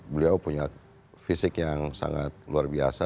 beliau punya fisik yang sangat luar biasa